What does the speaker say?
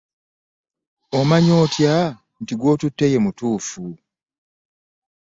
Omanya otya nti gw'otutte ye mutuufu?